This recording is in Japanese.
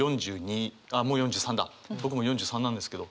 僕もう４３なんですけど。